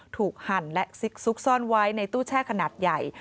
หั่นและซิกซุกซ่อนไว้ในตู้แช่ขนาดใหญ่